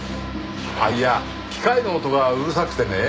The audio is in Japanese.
いや機械の音がうるさくてね。